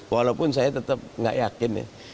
walaupun saya tetap tidak yakin